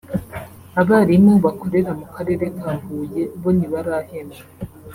abarimu bakorera mu Karere ka Huye bo ntibarahembwa